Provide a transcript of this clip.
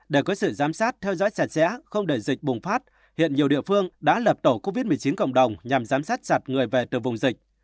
để có sự giám sát theo dõi chặt chẽ không để dịch bùng phát hiện nhiều địa phương đã lập tổ covid một mươi chín cộng đồng nhằm giám sát chặt người về từ vùng dịch